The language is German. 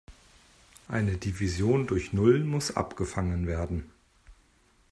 Eine Division durch null muss abgefangen werden.